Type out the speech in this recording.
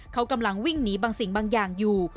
เขากำลังวิ่งหนีบางสิ่งบางอย่างอยู่